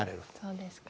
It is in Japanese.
そうですか。